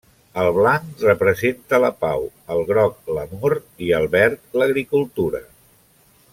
El blanc representa la pau, el groc l'amor i el verd l'agricultura.